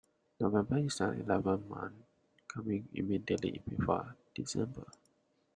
November is the eleventh month, coming immediately before December